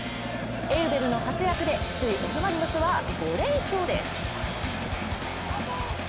エウベルの活躍で首位・Ｆ・マリノスは５連勝です。